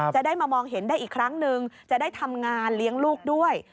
จะได้มามองเห็นได้อีกครั้งหนึ่งจะได้ทำงานเลี้ยงลูกด้วย